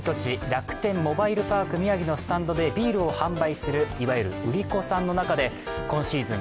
楽天モバイルパーク宮城のスタンドでビールを販売する、いわゆる売り子さんの中で今シーズン